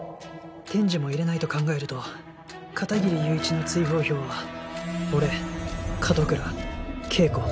天智も入れないと考えると片切友一の追放票は俺門倉恵子